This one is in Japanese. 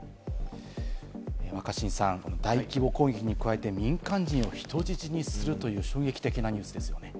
若新さん、大規模攻撃に加えて民間人を人質にするという衝撃的なニュースですよね。